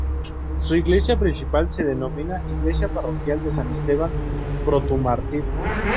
Su iglesia principal se denomina iglesia parroquial de San Esteban protomártir.